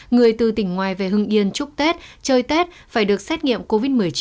người từ tỉnh ngoài về hưng yên chúc tết chơi tết phải được xét nghiệm covid một mươi chín